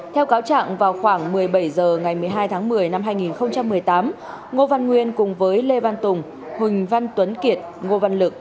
theo cáo trạng vào khoảng một mươi bảy h ngày một mươi hai tháng một mươi năm hai nghìn một mươi tám ngô văn nguyên cùng với lê văn tùng huỳnh văn tuấn kiệt ngô văn lực